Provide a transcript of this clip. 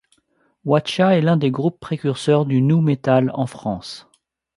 Watcha est l'un des groupes précurseur du nu metal en France.